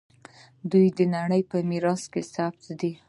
دوی د نړۍ په میراث کې ثبت دي.